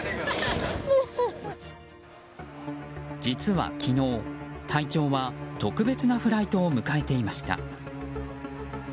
実は昨日、隊長は特別なフライトを迎えていました。